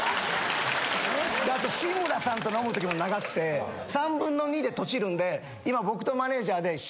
あと志村さんと飲むときも長くて３分の２でトチるんで今僕とマネージャーで。